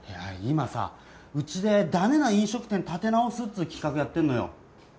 いや今さうちでダメな飲食店立て直すっつう企画やってんのよ